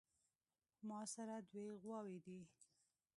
ماسره دوې غواوې دي